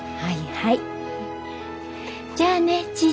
はい！